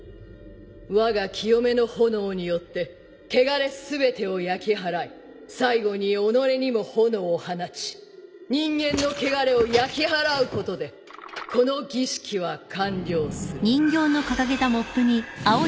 わが清めの炎によって穢れ全てを焼き払い最後に己にも炎を放ち人間の穢れを焼き払うことでこの儀式は完了する。